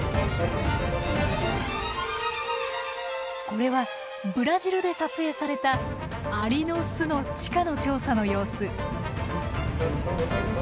これはブラジルで撮影されたアリの巣の地下の調査の様子。